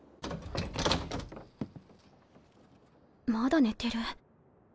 まだ寝てる。